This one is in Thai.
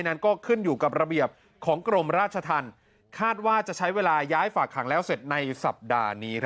นั้นก็ขึ้นอยู่กับระเบียบของกรมราชธรรมคาดว่าจะใช้เวลาย้ายฝากขังแล้วเสร็จในสัปดาห์นี้